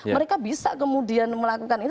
mereka bisa kemudian melakukan ini